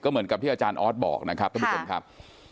เหมือนกับที่อาจารย์ออสบอกนะครับท่านผู้ชมครับ